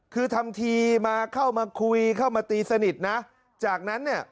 คือทำทีมาเข้ามาคุยเข้ามาตีสนิทนะจากนั้นเนี่ย